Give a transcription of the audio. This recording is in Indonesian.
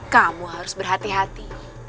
kamu harus berhati hati